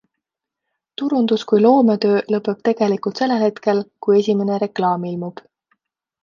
Turundus kui loometöö lõpeb tegelikult sellel hetkel, kui esimene reklaam ilmub.